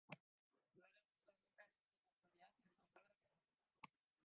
No le gustó nunca ejercer la autoridad y rechazaba la confrontación.